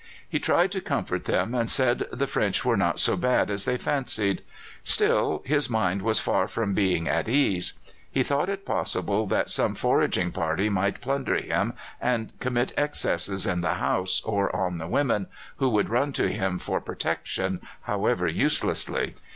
He tried to comfort them, and said the French were not so bad as they fancied. Still, his mind was far from being at ease. He thought it possible that some foraging party might plunder him and commit excesses in the house, or on the women, who would run to him for protection, however uselessly.